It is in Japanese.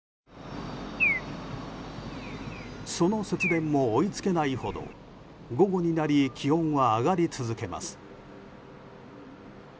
その節電も追いつけないほど午後になり気温は上がり続けます。